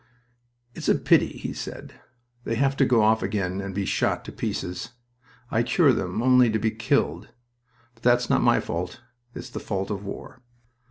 "It's a pity," he said, "they have to go off again and be shot to pieces. I cure them only to be killed but that's not my fault. It's the fault of war."